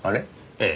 ええ。